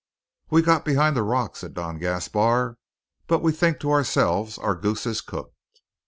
"We got behind the rock," said Don Gaspar, "but we think to ourself our goose is cook."